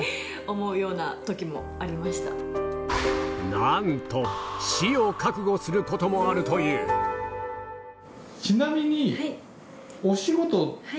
なんとすることもあるというちなみに。